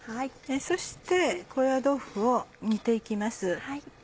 そして高野豆腐を煮て行きます。